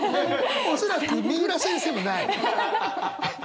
恐らく三浦先生もない。